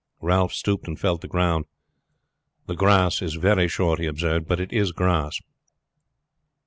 Ralph stooped and felt the ground. "The grass is very short," he observed, "but it is grass."